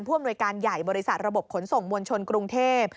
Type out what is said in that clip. อำนวยการใหญ่บริษัทระบบขนส่งมวลชนกรุงเทพ